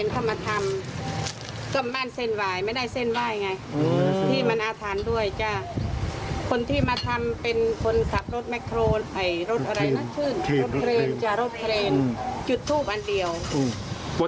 ก็ต้องทำพิธีต้องสารเกี่ยวหน้า